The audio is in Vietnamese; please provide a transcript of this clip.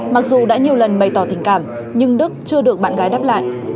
mặc dù đã nhiều lần bày tỏ tình cảm nhưng đức chưa được bạn gái đáp lại